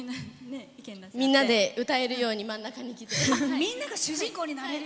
みんなで歌えるように真ん中に来て。